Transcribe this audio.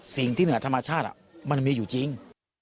สิ่งที่เหนือธรรมชาติมันมีอยู่จริง